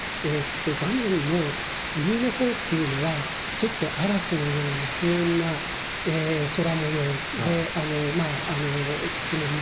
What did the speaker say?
画面の右のほうっていうのはちょっと嵐のような不穏な空もようでまあ土地も乱れてるんですね。